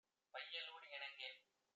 பையலோடு இணங்கேல்.